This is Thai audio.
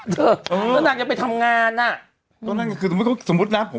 ถ้านางจะไปทำงาน